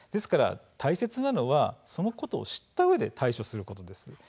大切なのはそのことを知ったうえで対処することです。